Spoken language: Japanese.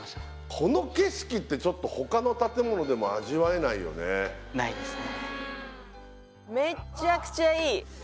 この景色ってちょっと他の建物でも味わえないよねないですね